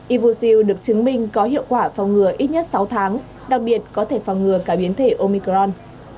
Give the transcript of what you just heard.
ivosil được chứng minh có hiệu quả phòng ngừa ít nhất sáu tháng đặc biệt có thể phòng ngừa cả biến thể omicron